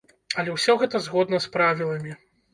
Але ўсё гэта згодна з правіламі.